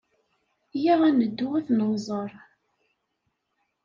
Iyya ad neddu ad ten-nẓer.